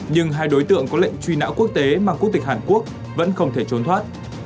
nhưng hai đối tượng có lệnh truy nã quốc tế mang quốc tịch hàn quốc vẫn không thể trốn thoát